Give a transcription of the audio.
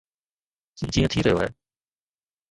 جيئن ٿي رهيو آهي.